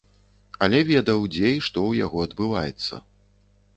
Але ведаў, дзе і што ў яго адбываецца.